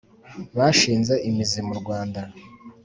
Bashinze imizi mu Rwanda.